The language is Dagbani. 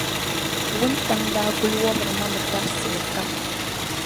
Wuntaŋ’ daa kul wɔbiri ma mi dabisili kam.